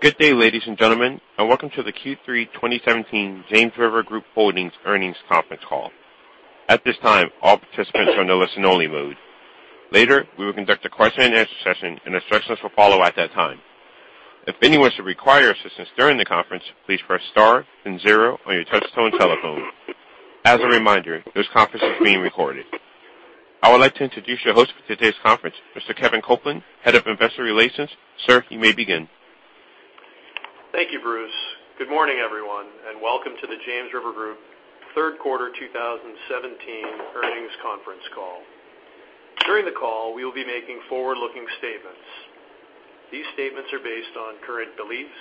Good day, ladies and gentlemen, and welcome to the Q3 2017 James River Group Holdings earnings conference call. At this time, all participants are in listen only mode. Later, we will conduct a question and answer session, and instructions will follow at that time. If anyone should require assistance during the conference, please press star and zero on your touch-tone telephone. As a reminder, this conference is being recorded. I would like to introduce your host for today's conference, Mr. Kevin Copeland, Head of Investor Relations. Sir, you may begin. Thank you, Bruce. Good morning, everyone, and welcome to the James River Group third quarter 2017 earnings conference call. During the call, we will be making forward-looking statements. These statements are based on current beliefs,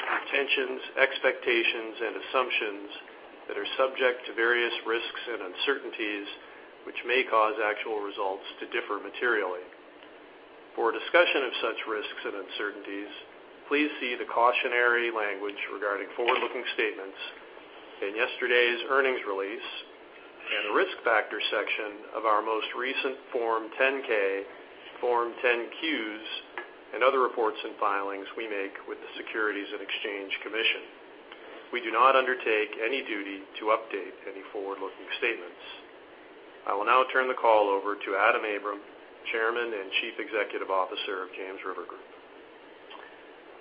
intentions, expectations, and assumptions that are subject to various risks and uncertainties, which may cause actual results to differ materially. For a discussion of such risks and uncertainties, please see the cautionary language regarding forward-looking statements in yesterday's earnings release and the Risk Factor section of our most recent Form 10-K, Form 10-Qs, and other reports and filings we make with the Securities and Exchange Commission. We do not undertake any duty to update any forward-looking statements. I will now turn the call over to Adam Abram, Chairman and Chief Executive Officer of James River Group.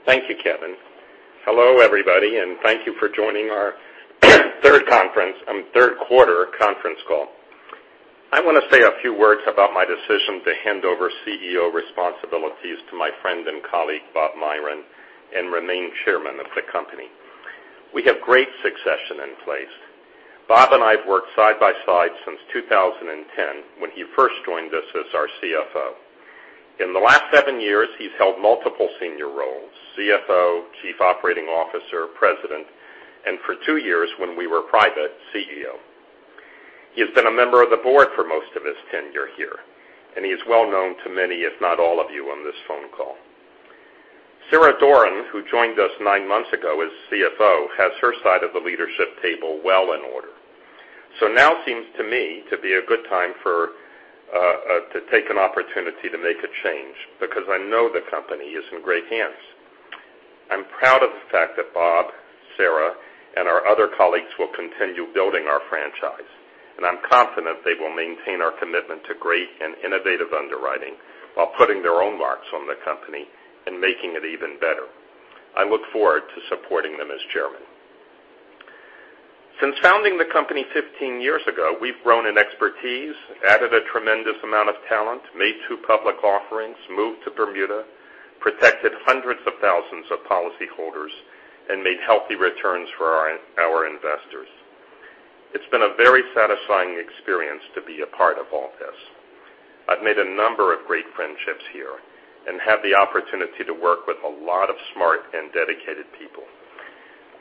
Thank you, Kevin. Hello, everybody, and thank you for joining our third quarter conference call. I want to say a few words about my decision to hand over CEO responsibilities to my friend and colleague, Bob Myron, and remain chairman of the company. We have great succession in place. Bob and I have worked side by side since 2010, when he first joined us as our CFO. In the last seven years, he's held multiple senior roles: CFO, Chief Operating Officer, President, and for two years, when we were private, CEO. He has been a member of the board for most of his tenure here, and he is well-known to many, if not all of you on this phone call. Sarah Doran, who joined us nine months ago as CFO, has her side of the leadership table well in order. Now seems, to me, to be a good time to take an opportunity to make a change because I know the company is in great hands. I'm proud of the fact that Bob, Sarah, and our other colleagues will continue building our franchise, and I'm confident they will maintain our commitment to great and innovative underwriting while putting their own marks on the company and making it even better. I look forward to supporting them as chairman. Since founding the company 15 years ago, we've grown in expertise, added a tremendous amount of talent, made two public offerings, moved to Bermuda, protected hundreds of thousands of policyholders, and made healthy returns for our investors. It's been a very satisfying experience to be a part of all this. I've made a number of great friendships here and had the opportunity to work with a lot of smart and dedicated people.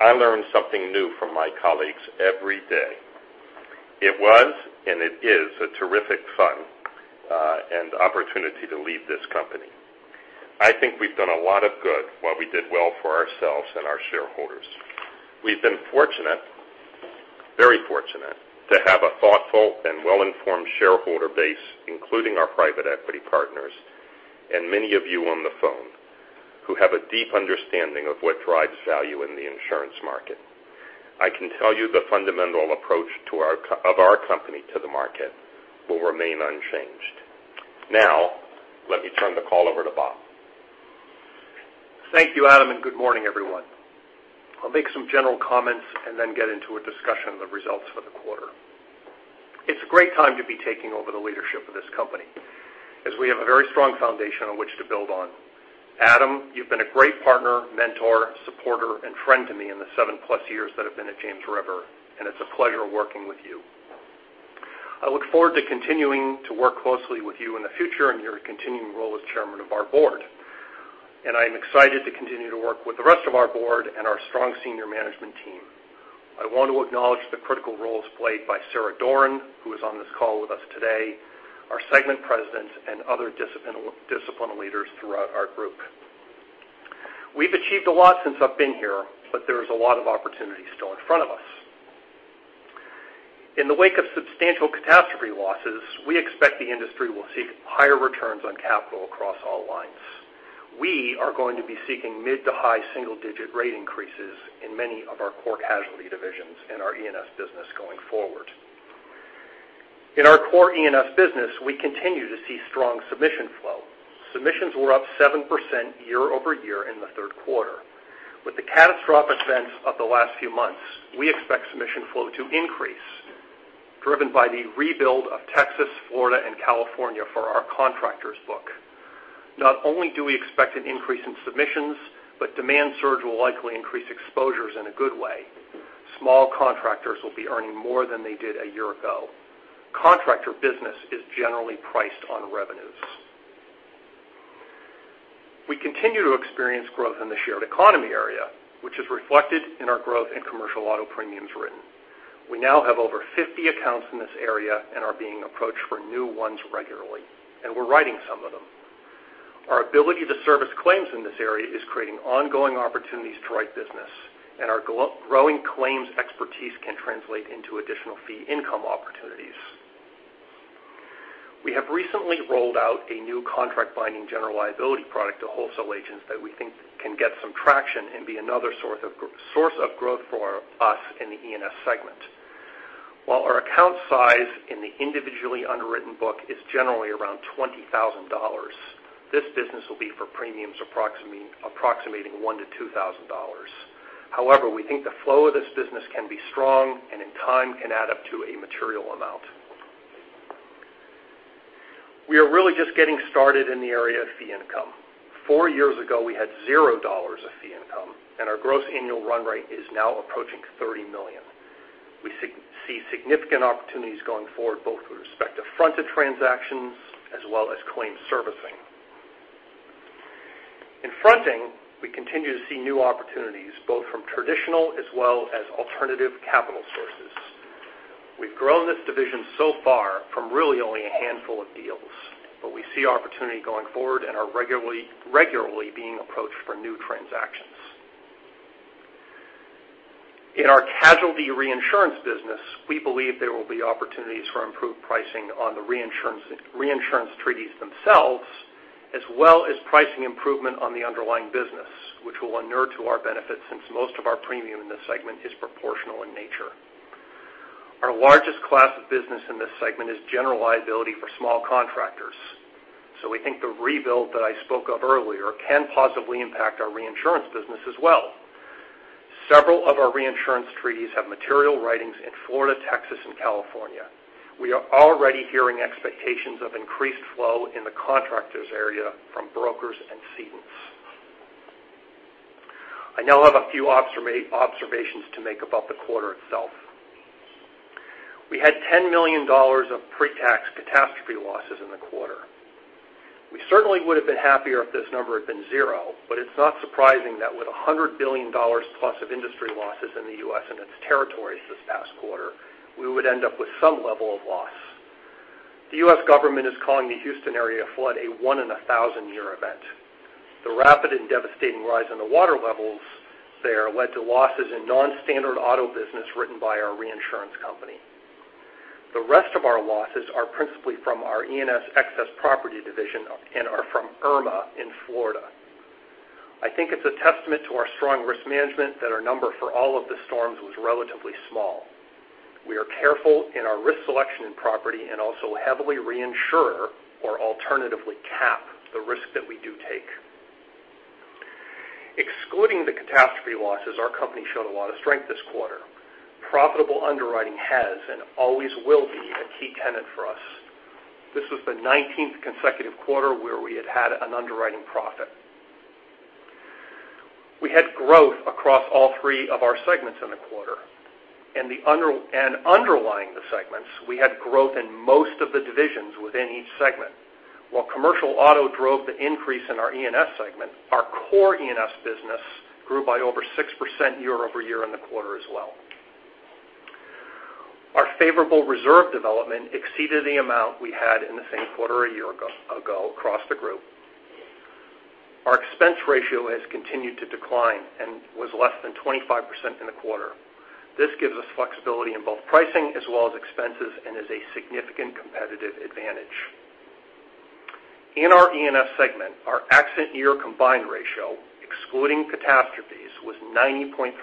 I learn something new from my colleagues every day. It was and it is a terrific fun and opportunity to lead this company. I think we've done a lot of good while we did well for ourselves and our shareholders. We've been fortunate, very fortunate, to have a thoughtful and well-informed shareholder base, including our private equity partners and many of you on the phone who have a deep understanding of what drives value in the insurance market. I can tell you the fundamental approach of our company to the market will remain unchanged. Let me turn the call over to Bob. Thank you, Adam. Good morning, everyone. I'll make some general comments and then get into a discussion of the results for the quarter. It's a great time to be taking over the leadership of this company, as we have a very strong foundation on which to build on. Adam, you've been a great partner, mentor, supporter, and friend to me in the 7-plus years that I've been at James River, and it's a pleasure working with you. I look forward to continuing to work closely with you in the future in your continuing role as Chairman of our board, and I am excited to continue to work with the rest of our board and our strong senior management team. I want to acknowledge the critical roles played by Sarah Doran, who is on this call with us today, our segment presidents, and other discipline leaders throughout our group. We've achieved a lot since I've been here. There is a lot of opportunity still in front of us. In the wake of substantial catastrophe losses, we expect the industry will seek higher returns on capital across all lines. We are going to be seeking mid to high single-digit rate increases in many of our core casualty divisions in our E&S business going forward. In our core E&S business, we continue to see strong submission flow. Submissions were up 7% year-over-year in the third quarter. With the catastrophic events of the last few months, we expect submission flow to increase, driven by the rebuild of Texas, Florida, and California for our contractors book. Not only do we expect an increase in submissions, demand surge will likely increase exposures in a good way. Small contractors will be earning more than they did a year ago. Contractor business is generally priced on revenues. We continue to experience growth in the shared economy area, which is reflected in our growth in commercial auto premiums written. We now have over 50 accounts in this area and are being approached for new ones regularly. We're writing some of them. Our ability to service claims in this area is creating ongoing opportunities to write business. Our growing claims expertise can translate into additional fee income opportunities. We have recently rolled out a new contract binding general liability product to wholesale agents that we think can get some traction and be another source of growth for us in the E&S segment. While our account size in the individually underwritten book is generally around $20,000, this business will be for premiums approximating $1,000-$2,000. We think the flow of this business can be strong and in time can add up to a material amount. We are really just getting started in the area of fee income. Four years ago, we had $0 of fee income, and our gross annual run rate is now approaching $30 million. We see significant opportunities going forward, both with respect to fronted transactions as well as claim servicing. In fronting, we continue to see new opportunities, both from traditional as well as alternative capital sources. We've grown this division so far from really only a handful of deals, but we see opportunity going forward and are regularly being approached for new transactions. In our casualty reinsurance business, we believe there will be opportunities for improved pricing on the reinsurance treaties themselves, as well as pricing improvement on the underlying business, which will inure to our benefit since most of our premium in this segment is proportional in nature. Our largest class of business in this segment is general liability for small contractors. We think the rebuild that I spoke of earlier can positively impact our reinsurance business as well. Several of our reinsurance treaties have material writings in Florida, Texas, and California. We are already hearing expectations of increased flow in the contractors area from brokers and cedents. I now have a few observations to make about the quarter itself. We had $10 million of pre-tax catastrophe losses in the quarter. We certainly would've been happier if this number had been zero, but it's not surprising that with $100 billion plus of industry losses in the U.S. and its territories this past quarter, we would end up with some level of loss. The U.S. government is calling the Houston area flood a one in 1,000 year event. The rapid and devastating rise in the water levels there led to losses in non-standard auto business written by our reinsurance company. The rest of our losses are principally from our E&S excess property division and are from Irma in Florida. I think it's a testament to our strong risk management that our number for all of the storms was relatively small. We are careful in our risk selection and property and also heavily reinsure or alternatively cap the risk that we do take. Excluding the catastrophe losses, our company showed a lot of strength this quarter. Profitable underwriting has and always will be a key tenet for us. This was the 19th consecutive quarter where we had had an underwriting profit. We had growth across all three of our segments in the quarter, and underlying the segments, we had growth in most of the divisions within each segment. While commercial auto drove the increase in our E&S segment, our core E&S business grew by over 6% year-over-year in the quarter as well. Our favorable reserve development exceeded the amount we had in the same quarter a year ago across the group. Our expense ratio has continued to decline and was less than 25% in the quarter. This gives us flexibility in both pricing as well as expenses and is a significant competitive advantage. In our E&S segment, our accident year combined ratio, excluding catastrophes, was 90.3%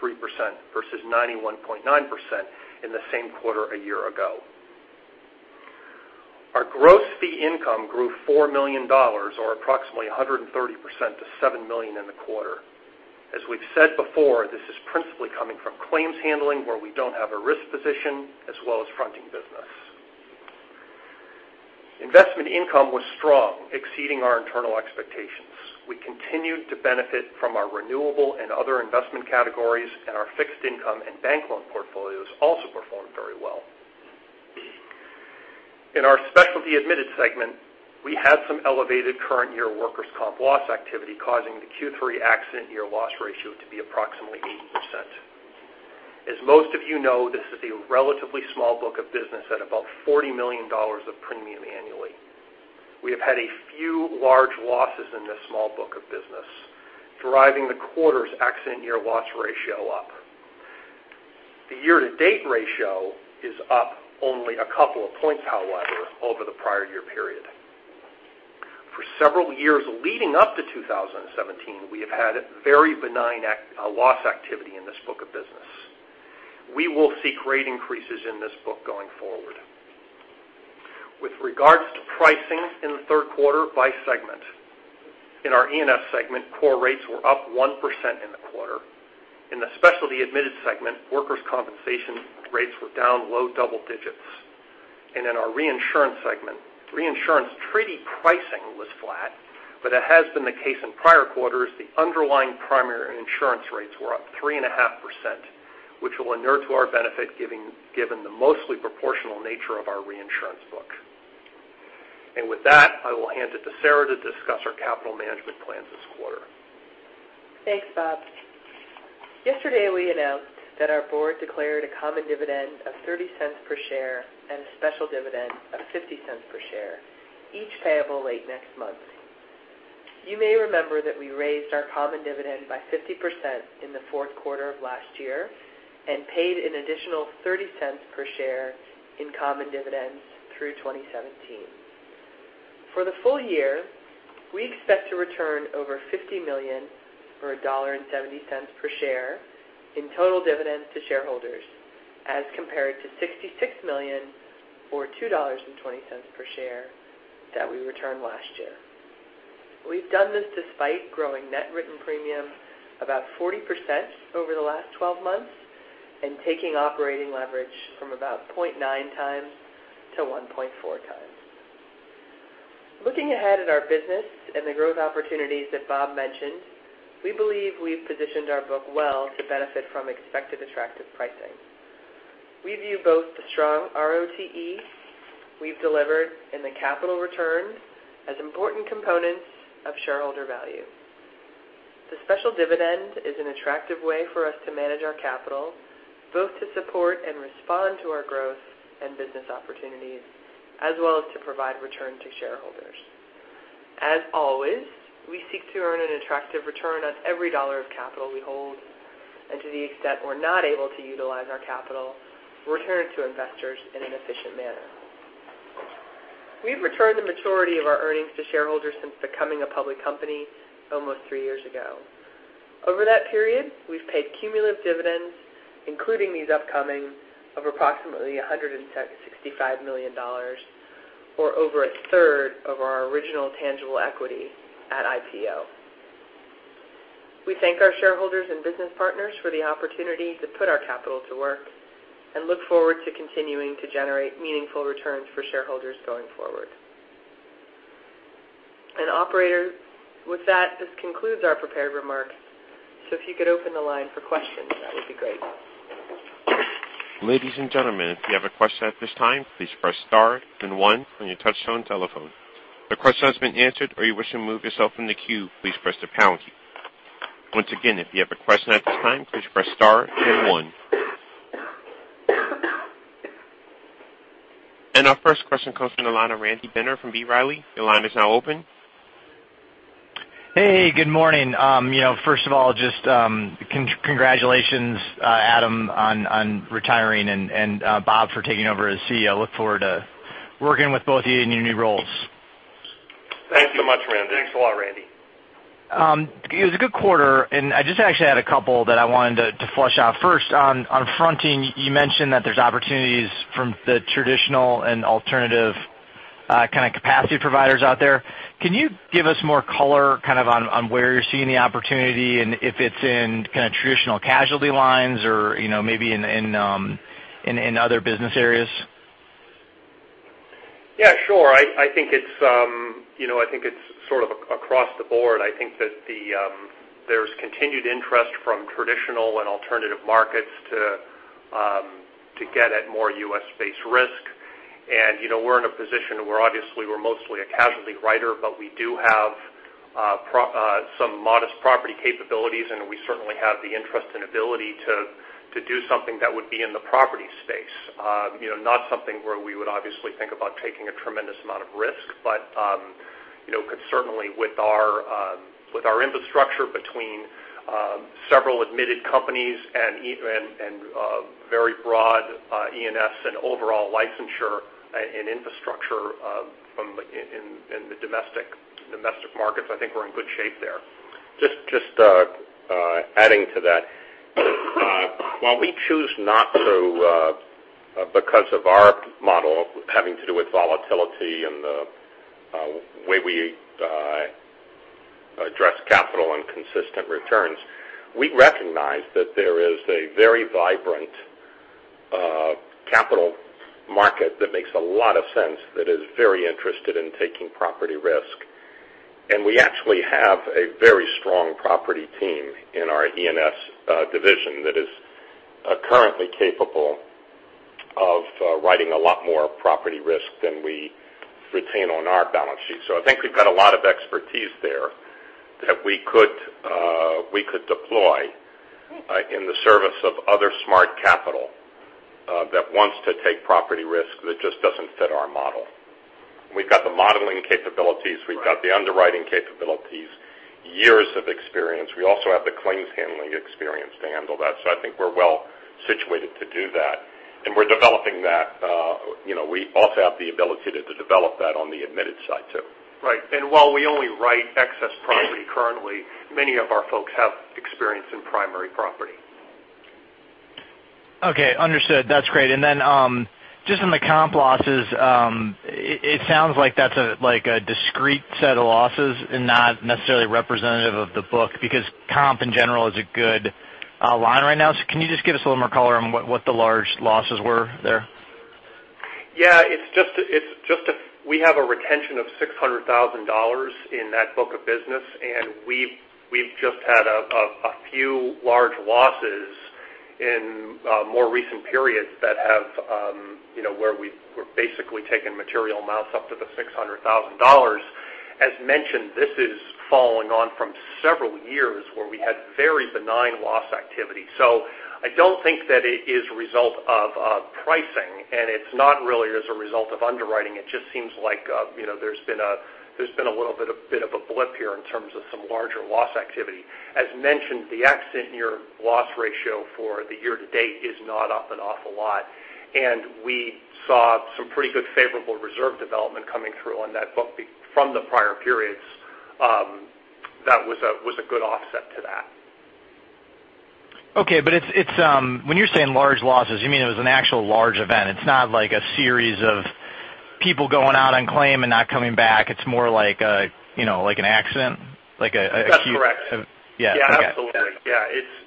versus 91.9% in the same quarter a year ago. Our gross fee income grew $4 million, or approximately 130% to $7 million in the quarter. As we've said before, this is principally coming from claims handling where we don't have a risk position, as well as fronting business. Investment income was strong, exceeding our internal expectations. We continued to benefit from our renewable and other investment categories, and our fixed income and bank loan portfolios also performed very well. In our specialty admitted segment, we had some elevated current year workers' comp loss activity, causing the Q3 accident year loss ratio to be approximately 80%. As most of you know, this is a relatively small book of business at about $40 million of premium annually. We have had a few large losses in this small book of business, driving the quarter's accident year loss ratio up. The year-to-date ratio is up only a couple of points, however, over the prior year period. For several years leading up to 2017, we have had very benign loss activity in this book of business. We will see rate increases in this book going forward. With regards to pricing in the third quarter by segment, in our E&S segment, core rates were up 1% in the quarter. In the specialty admitted segment, workers' compensation rates were down low double digits. In our reinsurance segment, reinsurance treaty pricing was flat, but it has been the case in prior quarters, the underlying primary insurance rates were up 3.5%, which will inure to our benefit given the mostly proportional nature of our reinsurance book. With that, I will hand it to Sarah to discuss our capital management plans this quarter. Thanks, Bob. Yesterday we announced that our board declared a common dividend of $0.30 per share and a special dividend of $0.50 per share, each payable late next month. You may remember that we raised our common dividend by 50% in the fourth quarter of last year and paid an additional $0.30 per share in common dividends through 2017. For the full year, we expect to return over $50 million, or $1.70 per share in total dividends to shareholders as compared to $66 million or $2.20 per share that we returned last year. We've done this despite growing net written premium about 40% over the last 12 months and taking operating leverage from about 0.9 times to 1.4 times. Looking ahead at our business and the growth opportunities that Bob mentioned, we believe we've positioned our book well to benefit from expected attractive pricing. We view both the strong ROTE we've delivered and the capital return as important components of shareholder value. The special dividend is an attractive way for us to manage our capital, both to support and respond to our growth and business opportunities, as well as to provide return to shareholders. As always, we seek to earn an attractive return on every dollar of capital we hold, and to the extent we're not able to utilize our capital, return it to investors in an efficient manner. We've returned the majority of our earnings to shareholders since becoming a public company almost three years ago. Over that period, we've paid cumulative dividends, including these upcoming, of approximately $165 million, or over a third of our original tangible equity at IPO. We thank our shareholders and business partners for the opportunity to put our capital to work and look forward to continuing to generate meaningful returns for shareholders going forward. Operator, with that, this concludes our prepared remarks, if you could open the line for questions, that would be great. Ladies and gentlemen, if you have a question at this time, please press star then one on your touchtone telephone. If your question has been answered or you wish to remove yourself from the queue, please press the pound key. Once again, if you have a question at this time, please press star then one. Our first question comes from the line of Randy Binner from B. Riley. Your line is now open. Hey, good morning. First of all, just congratulations, Adam, on retiring and, Bob, for taking over as CEO. Look forward to working with both of you in your new roles. Thanks so much, Randy. Thanks a lot, Randy. It was a good quarter. I just actually had a couple that I wanted to flush out. First on fronting, you mentioned that there's opportunities from the traditional and alternative kind of capacity providers out there. Can you give us more color kind of on where you're seeing the opportunity and if it's in kind of traditional casualty lines or maybe in other business areas? Yeah, sure. I think it's sort of across the board. I think that there's continued interest from traditional and alternative markets to get at more U.S.-based risk. We're in a position where obviously we're mostly a casualty writer, but we do have some modest property capabilities, and we certainly have the interest and ability to do something that would be in the property space. Not something where we would obviously think about taking a tremendous amount of risk, but could certainly with our infrastructure between several admitted companies and very broad E&S and overall licensure and infrastructure in the domestic markets, I think we're in good shape there. Just adding to that. While we choose not to because of our model having to do with volatility and the way we address capital and consistent returns, we recognize that there is a very vibrant capital market that makes a lot of sense, that is very interested in taking property risk. We actually have a very strong property team in our E&S division that is currently capable of writing a lot more property risk than we retain on our balance sheet. I think we've got a lot of expertise there that we could deploy in the service of other smart capital that wants to take property risk that just doesn't fit our model. We've got the modeling capabilities. We've got the underwriting capabilities, years of experience. We also have the claims handling experience to handle that. I think we're well situated to do that, and we're developing that. We also have the ability to develop that on the admitted side, too. Right. While we only write excess property currently, many of our folks have experience in primary property. Okay, understood. That's great. Just on the comp losses, it sounds like that's a discrete set of losses and not necessarily representative of the book because comp in general is a good line right now. Can you just give us a little more color on what the large losses were there? Yeah, we have a retention of $600,000 in that book of business, and we've just had a few large losses in more recent periods where we've basically taken material amounts up to the $600,000. As mentioned, this is following on from several years where we had very benign loss activity. I don't think that it is a result of pricing, and it's not really as a result of underwriting. It just seems like there's been a little bit of a blip here in terms of some larger loss activity. As mentioned, the accident year loss ratio for the year to date is not up an awful lot, and we saw some pretty good favorable reserve development coming through on that book from the prior periods. That was a good offset to that. Okay. When you're saying large losses, you mean it was an actual large event. It's not like a series of people going out on claim and not coming back. It's more like an accident? That's correct. Yeah. Okay. Got it. Yeah, absolutely.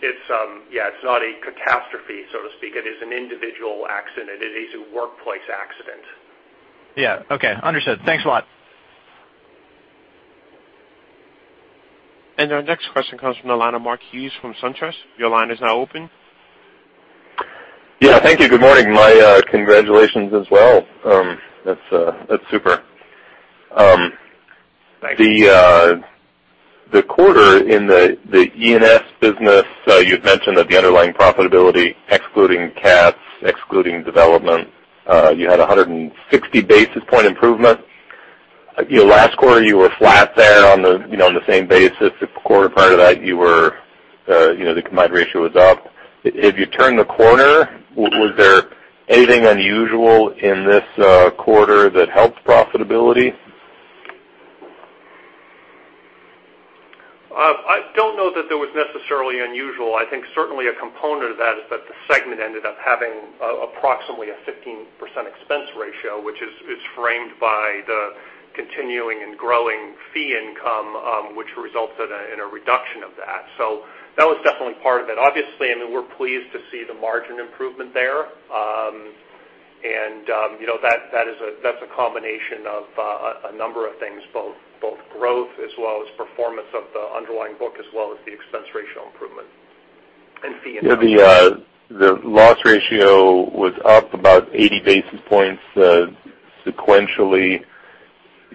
It's not a catastrophe, so to speak. It is an individual accident. It is a workplace accident. Yeah. Okay. Understood. Thanks a lot. Our next question comes from the line of Mark Hughes from SunTrust. Your line is now open. Yeah. Thank you. Good morning. My congratulations as well. That's super. Thanks. The quarter in the E&S business, you had mentioned that the underlying profitability, excluding CATs, excluding development, you had 160 basis point improvement. Last quarter, you were flat there on the same basis. The quarter prior to that, the combined ratio was up. Have you turned the corner? Was there anything unusual in this quarter that helped profitability? I don't know that there was necessarily unusual. I think certainly a component of that is that the segment ended up having approximately a 15% expense ratio, which is framed by the continuing and growing fee income, which results in a reduction of that. That was definitely part of it. Obviously, we're pleased to see the margin improvement there. That's a combination of a number of things, both growth as well as performance of the underlying book, as well as the expense ratio improvement and fee income. The loss ratio was up about 80 basis points sequentially.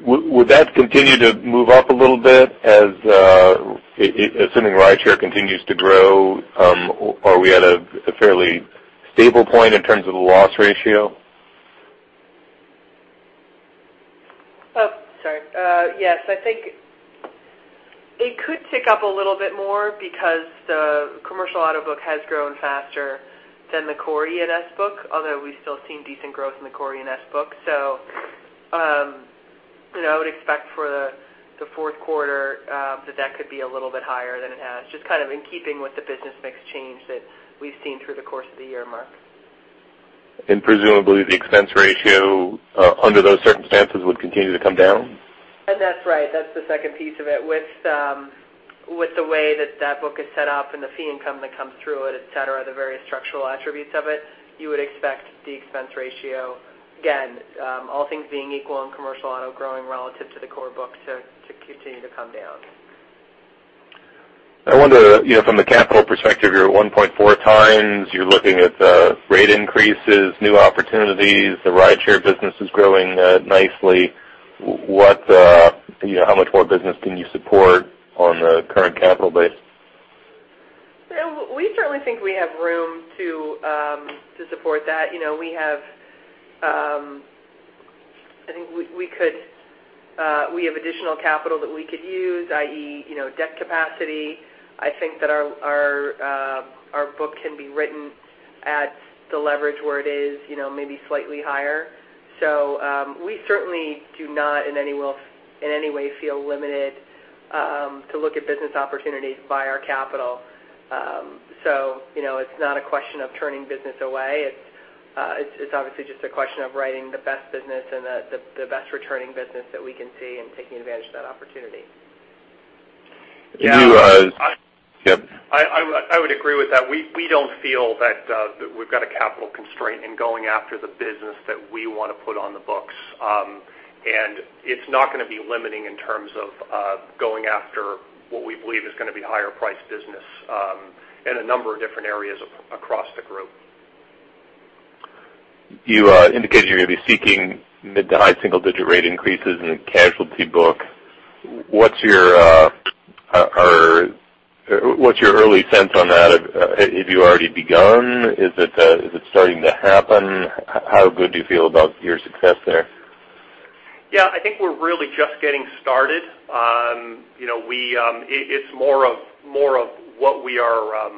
Would that continue to move up a little bit assuming ride share continues to grow? Are we at a fairly stable point in terms of the loss ratio? Oh, sorry. Yes, I think it could tick up a little bit more because the commercial auto book has grown faster than the core E&S book, although we still seen decent growth in the core E&S book. I would expect for the fourth quarter that could be a little bit higher than it has, just kind of in keeping with the business mix change that we've seen through the course of the year, Mark. Presumably the expense ratio, under those circumstances, would continue to come down? That's right. That's the second piece of it. With the way that book is set up and the fee income that comes through it, et cetera, the various structural attributes of it, you would expect the expense ratio, again, all things being equal in commercial auto growing relative to the core book to continue to come down. I wonder from the capital perspective, you're at 1.4 times, you're looking at rate increases, new opportunities, the ride share business is growing nicely. How much more business can you support on the current capital base? We certainly think we have room to support that. I think we have additional capital that we could use, i.e., debt capacity. I think that our book can be written at the leverage where it is maybe slightly higher. We certainly do not in any way feel limited to look at business opportunities by our capital. It's not a question of turning business away. It's obviously just a question of writing the best business and the best returning business that we can see and taking advantage of that opportunity. Yeah. Yep. I would agree with that. We don't feel that we've got a capital constraint in going after the business that we want to put on the books. It's not going to be limiting in terms of going after what we believe is going to be higher priced business in a number of different areas across the group. You indicated you're going to be seeking mid to high single digit rate increases in the casualty book. What's your early sense on that? Have you already begun? Is it starting to happen? How good do you feel about your success there? Yeah. I think we're really just getting started. It's more of what we are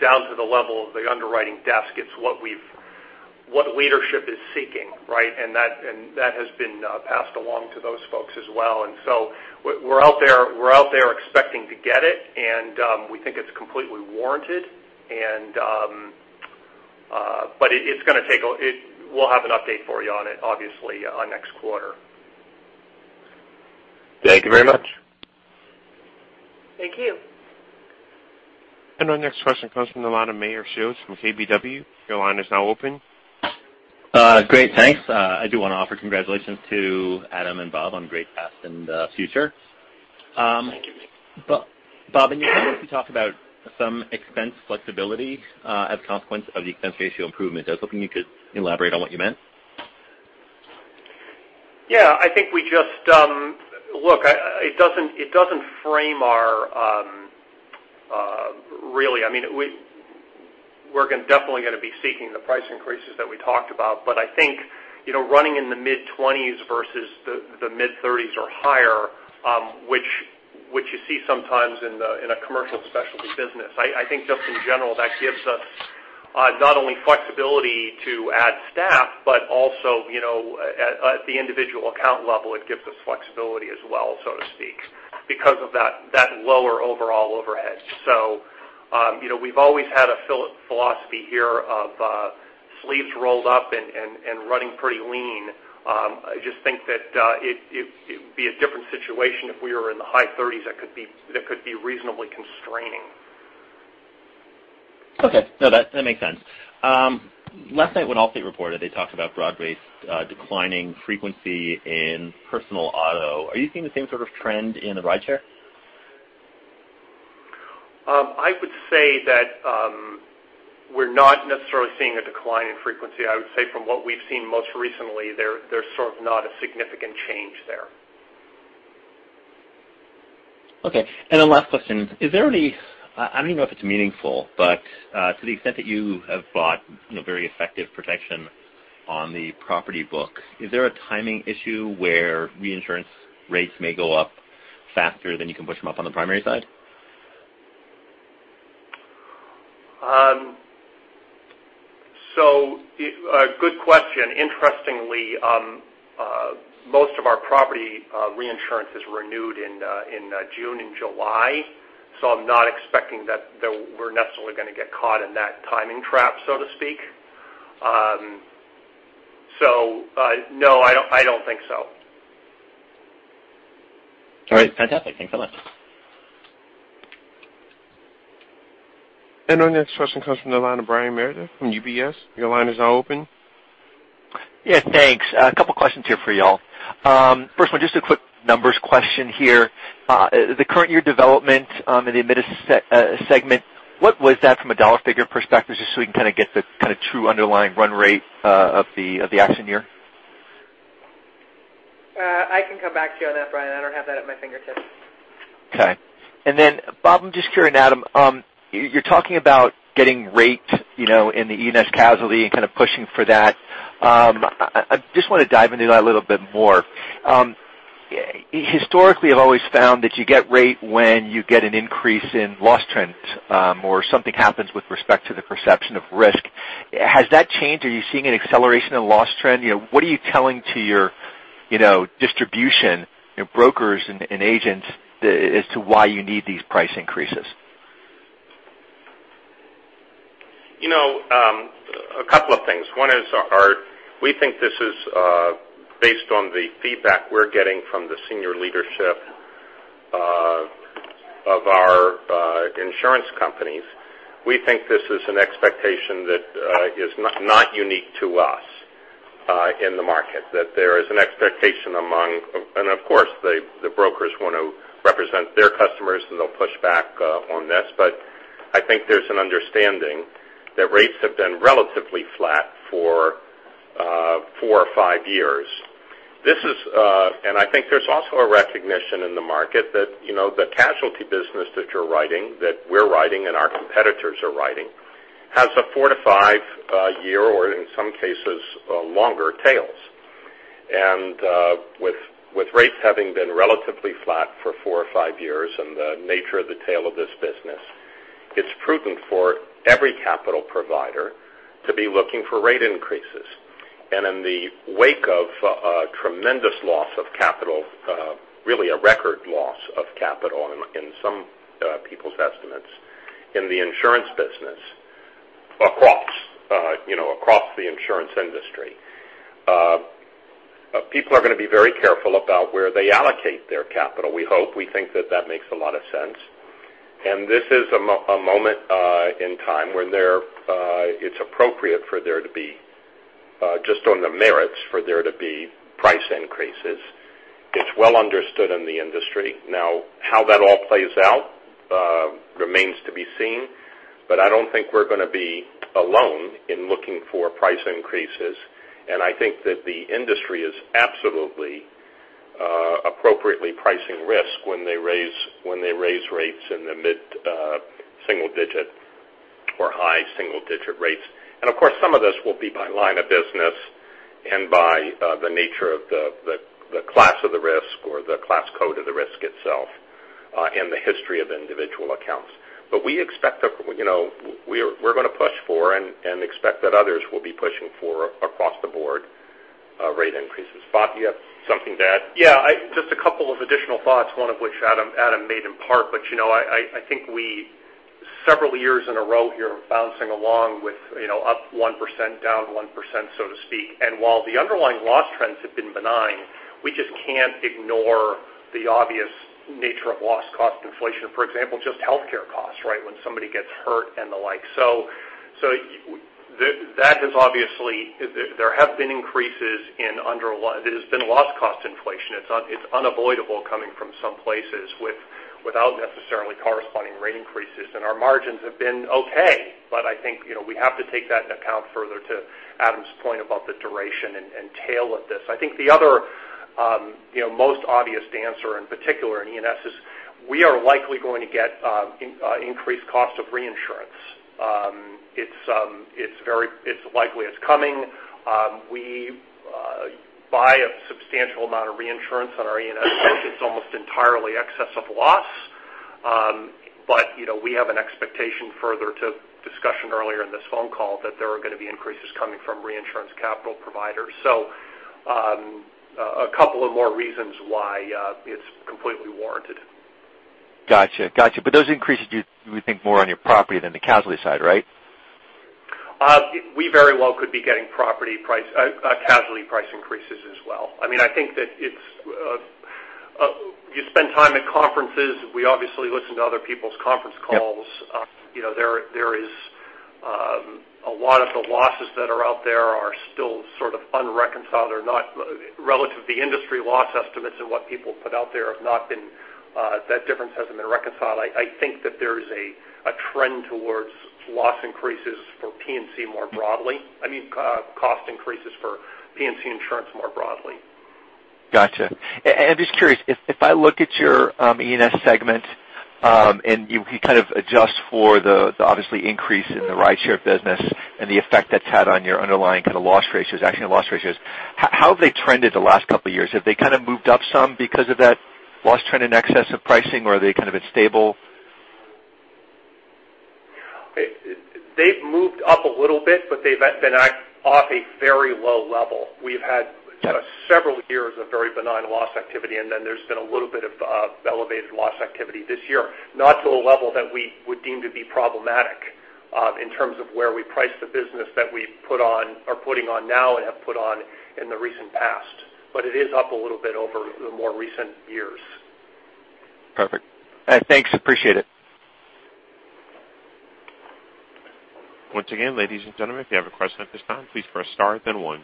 down to the level of the underwriting desk. It's what leadership is seeking, right? That has been passed along to those folks as well. We're out there expecting to get it, and we think it's completely warranted. We'll have an update for you on it, obviously, on next quarter. Thank you very much. Thank you. Our next question comes from the line of Meyer Shields from KBW. Your line is now open. Great. Thanks. I do want to offer congratulations to Adam and Bob on great past and future. Thank you. Bob, in your comments you talked about some expense flexibility as a consequence of the expense ratio improvement. I was hoping you could elaborate on what you meant. Yeah. Look, We're definitely going to be seeking the price increases that we talked about. I think, running in the mid-20s versus the mid-30s or higher, which you see sometimes in a commercial specialty business. I think just in general, that gives us not only flexibility to add staff, but also, at the individual account level, it gives us flexibility as well, so to speak, because of that lower overall overhead. We've always had a philosophy here of sleeves rolled up and running pretty lean. I just think that it would be a different situation if we were in the high 30s. That could be reasonably constraining. Okay. No, that makes sense. Last night when Allstate reported, they talked about broad-based declining frequency in personal auto. Are you seeing the same sort of trend in the rideshare? I would say that we're not necessarily seeing a decline in frequency. I would say from what we've seen most recently there's sort of not a significant change there. Okay. Last question. I don't even know if it's meaningful, but to the extent that you have bought very effective protection on the property book, is there a timing issue where reinsurance rates may go up faster than you can push them up on the primary side? Good question. Interestingly, most of our property reinsurance is renewed in June and July, I'm not expecting that we're necessarily going to get caught in that timing trap, so to speak. No, I don't think so. All right. Fantastic. Thanks so much. Our next question comes from the line of Brian Meredith from UBS. Your line is now open. Yeah. Thanks. A couple of questions here for you all. First one, just a quick numbers question here. The current year development in the admitted segment, what was that from a dollar figure perspective, just so we can kind of get the kind of true underlying run rate of the action year? I can come back to you on that, Brian. I don't have that at my fingertips. Okay. Bob, I'm just curious, Adam, you're talking about getting rate in the E&S casualty and kind of pushing for that. I just want to dive into that a little bit more. Historically, I've always found that you get rate when you get an increase in loss trends or something happens with respect to the perception of risk. Has that changed? Are you seeing an acceleration in loss trend? What are you telling to your distribution, brokers and agents as to why you need these price increases? A couple of things. One is we think this is based on the feedback we're getting from the senior leadership of our insurance companies. We think this is an expectation that is not unique to us in the market. There is an expectation among, and of course, the brokers want to represent their customers, and they'll push back on this. I think there's an understanding that rates have been relatively flat for four or five years. I think there's also a recognition in the market that the casualty business that you're writing, that we're writing, and our competitors are writing, has a four to five year, or in some cases, longer tails. With rates having been relatively flat for four or five years and the nature of the tail of this business, it's prudent for every capital provider to be looking for rate increases. In the wake of a tremendous loss of capital, really a record loss of capital in some people's estimates in the insurance business across the insurance industry. People are going to be very careful about where they allocate their capital, we hope. We think that that makes a lot of sense. This is a moment in time when it's appropriate for there to be, just on the merits, for there to be price increases. It's well understood in the industry. Now, how that all plays out remains to be seen. I don't think we're going to be alone in looking for price increases, and I think that the industry is absolutely appropriately pricing risk when they raise rates in the mid single digit or high single digit rates. Of course, some of this will be by line of business and by the nature of the class of the risk or the class code of the risk itself, and the history of individual accounts. We're going to push for and expect that others will be pushing for, across the board, rate increases. Bob, do you have something to add? Yeah. Just a couple of additional thoughts, one of which Adam made in part. I think we, several years in a row here, bouncing along with up 1%, down 1%, so to speak. While the underlying loss trends have been benign, we just can't ignore the obvious nature of loss cost inflation. For example, just healthcare costs, right? When somebody gets hurt and the like. That has obviously, there have been increases in underlying. There's been loss cost inflation. It's unavoidable coming from some places without necessarily corresponding rate increases. Our margins have been okay, but I think we have to take that into account further to Adam's point about the duration and tail of this. I think the other most obvious answer, in particular in E&S, is we are likely going to get increased cost of reinsurance. It's likely it's coming. We buy a substantial amount of reinsurance on our E&S business. It's almost entirely excess of loss. We have an expectation further to discussion earlier in this phone call that there are going to be increases coming from reinsurance capital providers. A couple of more reasons why it's completely warranted. Got you. Those increases, you would think more on your property than the casualty side, right? We very well could be getting casualty price increases as well. You spend time at conferences. We obviously listen to other people's conference calls. Yeah. A lot of the losses that are out there are still sort of unreconciled or not relative to the industry loss estimates and what people put out there, that difference hasn't been reconciled. I think that there's a trend towards loss increases for P&C more broadly. I mean, cost increases for P&C insurance more broadly. Got you. I'm just curious, if I look at your E&S segment, and you kind of adjust for the obviously increase in the ride share business and the effect that's had on your underlying kind of loss ratios, actually loss ratios, how have they trended the last couple of years? Have they kind of moved up some because of that loss trend in excess of pricing, or are they kind of been stable? They've moved up a little bit, they've been off a very low level. We've had kind of several years of very benign loss activity, there's been a little bit of elevated loss activity this year. Not to a level that we would deem to be problematic in terms of where we price the business that we are putting on now and have put on in the recent past. It is up a little bit over the more recent years. Perfect. Thanks. Appreciate it. Once again, ladies and gentlemen, if you have a question at this time, please press star then one.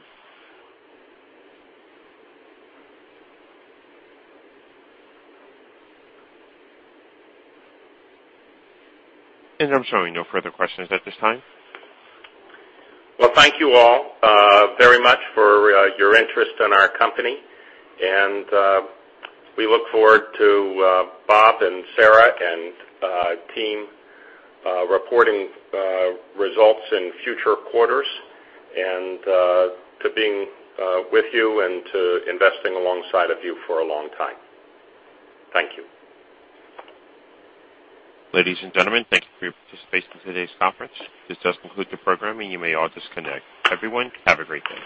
I'm showing no further questions at this time. Well, thank you all very much for your interest in our company. We look forward to Bob Myron and Sarah Doran and team reporting results in future quarters and to being with you and to investing alongside of you for a long time. Thank you. Ladies and gentlemen, thank you for your participation in today's conference. This does conclude the program, and you may all disconnect. Everyone, have a great day.